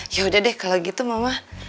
yaudah deh kalo gitu mama